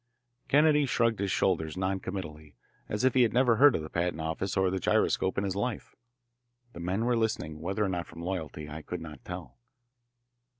Kennedy shrugged his shoulders non committally, as if he had never heard of the patent office or the gyroscope in his life. The men were listening, whether or not from loyalty I could not tell.